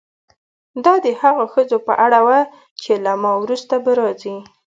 دا د هغو ښځو په اړه وه چې له ما وروسته به راځي.